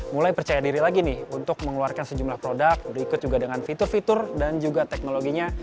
mulai percaya diri lagi nih untuk mengeluarkan sejumlah produk berikut juga dengan fitur fitur dan juga teknologinya